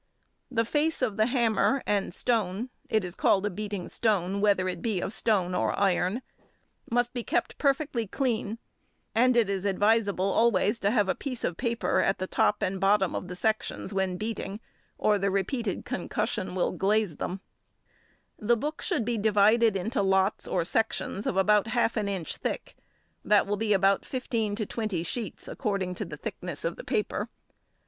The face of the hammer and stone (it is called a beating stone whether it be stone or iron), must be kept perfectly clean, and it is advisable always to have a piece of paper at the top and bottom of the sections when beating, or the repeated concussion will glaze them. [Illustration: Beating Hammer.] The book should be divided into lots or sections of about half an inch thick, that will be about fifteen to twenty sheets, according to the thickness of paper.